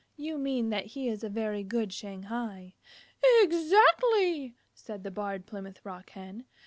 You mean that he is a very good Shanghai." "Exactly," said the Barred Plymouth Rock Hen.